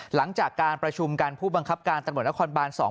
หลังจากการประชุมการผู้บังคับการตำรวจละครบราณส่อง